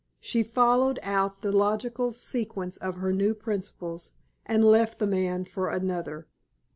She followed out the logical sequence of her new principles, and left the man for another."